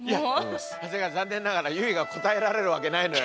長谷川残念ながら結実が答えられるわけないのよ。